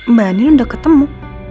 mbak andin udah ketemu